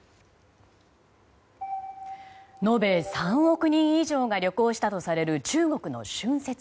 延べ３億人以上が旅行したとされる中国の春節。